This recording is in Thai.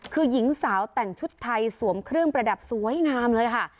คือหญิงสาวแต่งชุดไทยสวมเครื่องประดับสวยงามเลยค่ะ